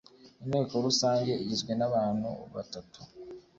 inteko rusange igizwe n abantu batatu